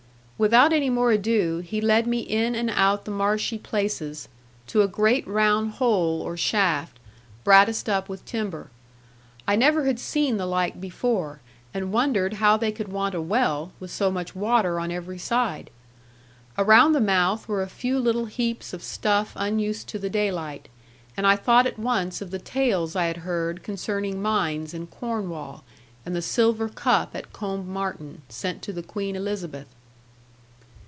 Without any more ado, he led me in and out the marshy places, to a great round hole or shaft, bratticed up with timber. I never had seen the like before, and wondered how they could want a well, with so much water on every side. Around the mouth were a few little heaps of stuff unused to the daylight; and I thought at once of the tales I had heard concerning mines in Cornwall, and the silver cup at Combe Martin, sent to the Queen Elizabeth.